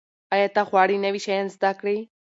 ایا ته غواړې نوي شیان زده کړې؟